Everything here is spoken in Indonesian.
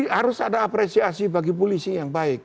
harus ada apresiasi bagi polisi yang baik